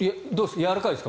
やわらかいですか？